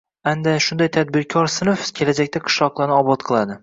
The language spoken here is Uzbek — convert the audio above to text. Aynan shunday tadbirkor sinf kelajakda qishloqlarni obod qiladi